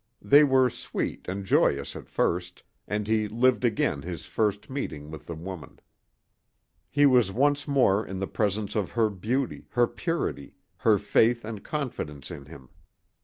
They were sweet and joyous at first, and he lived again his first meeting with the woman; he was once more in the presence of her beauty, her purity, her faith and confidence in him.